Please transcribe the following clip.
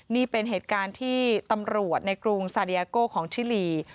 นี่เป็นเหตุการณ์ที่ตำรวจในกรุงซาเดียโกของชิลี